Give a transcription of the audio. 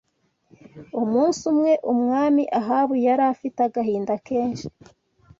Umunsi umwe Umwami Ahabu yari afite agahinda kenshi